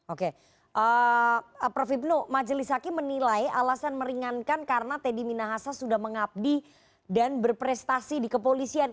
oke prof ibnu majelis hakim menilai alasan meringankan karena teddy minahasa sudah mengabdi dan berprestasi di kepolisian